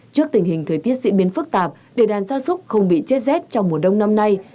trước tình hình thời tiết diễn biến phức tạp để đàn gia súc không bị chết rét trong mùa đông năm nay